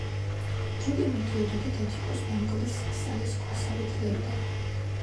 დრო კი მიდიოდა და დათიკოს ნამგლის სალეს ქვასავით ლევდა